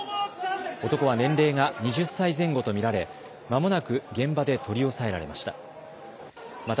男は年齢が２０歳前後と見られまもなく現場で取り押さえられました。